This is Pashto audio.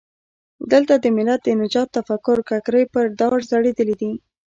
دلته د ملت د نجات تفکر ککرۍ پر دار ځړېدلي دي.